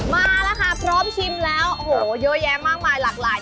มาแล้วค่ะพร้อมชิมแล้วโอ้โหเยอะแยะมากมายหลากหลาย